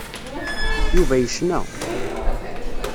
Yuba yecna.